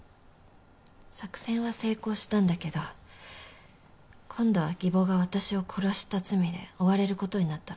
作戦は成功したんだけど今度は義母が私を殺した罪で追われることになったの。